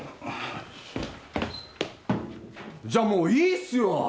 じゃあもういいっすよ。